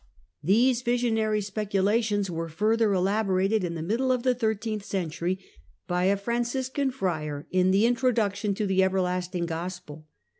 These visionary speculations were further elaborated in the middle of the thirteenth century by a Franciscan friar, in the "Introduction to the Everlasting Gospel."